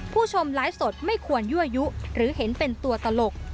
ผู้ชมไลฟ์สดไม่ควรยั่วยุหรือเห็นเป็นตัวตลก